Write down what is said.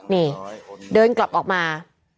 นี่เดินกลับออกมา